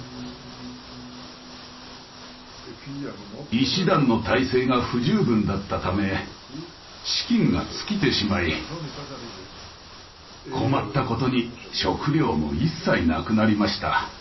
医師団の体制が不十分だったため資金が尽きてしまい困ったことに食料も一切なくなりました。